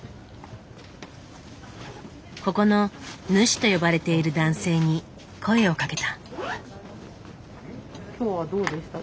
ここの「主」と呼ばれている男性に声をかけた。